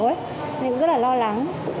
nên cũng rất là lo lắng